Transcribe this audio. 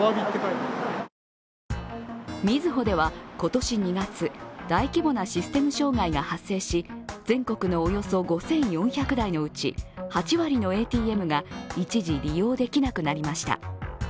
みずほでは今年２月大規模なシステム障害が発生し全国のおよそ５４００台のうち８割のＡＴＭが一時、利用できなくなりました。